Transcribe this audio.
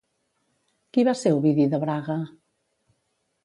Qui va ser Ovidi de Braga?